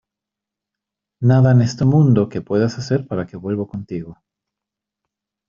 nada en este mundo, que puedas hacer para que vuelva contigo.